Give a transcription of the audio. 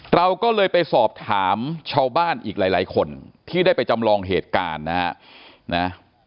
เราก็เลยไปสอบถามชาวบ้านอีกหลายคนที่ได้ไปจำลองเหตุการณ์นะฮะ